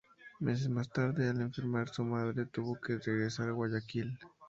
Meses más tarde, al enfermar su madre, tuvo que regresar a Guayaquil.